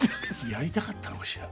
やりたかったのかしら？